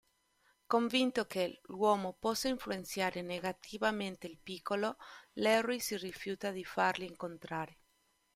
Convinto che l'uomo possa influenzare negativamente il piccolo, Larry si rifiuta di farli incontrare.